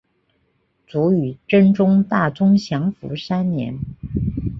卒于真宗大中祥符三年。